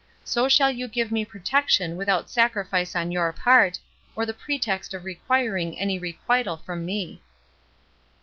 So shall you give me protection without sacrifice on your part, or the pretext of requiring any requital from me."